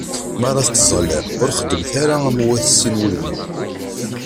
Mi ara tettẓallam, ur xeddmet ara am wat sin wudmawen.